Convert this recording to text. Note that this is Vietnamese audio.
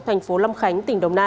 thành phố lâm khánh